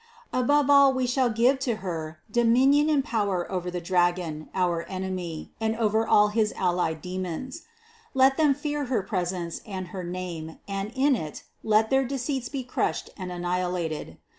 Above all We shall give to Her do minion and power over the dragon, our enemy, and over all his allied demons. Let them fear her presence and her name and in it, let their deceits be crushed and anni hilated.